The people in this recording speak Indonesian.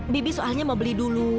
bibi soalnya mau beli dulu